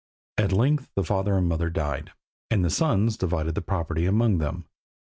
At length the father and mother died, and the sons divided the property among them.